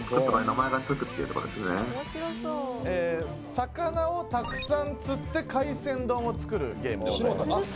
魚をたくさん釣って海鮮丼を作るゲームでございます。